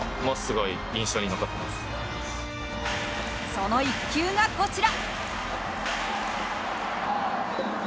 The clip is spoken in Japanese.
その一球がこちら。